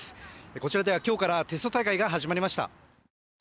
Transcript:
こちらでは今日からテスト大会が始まりました。